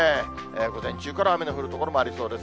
午前中から雨の降る所もありそうです。